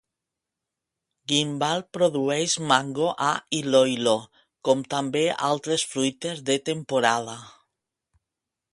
Guimbal produeix mango a Iloilo com també altres fruites de temporada.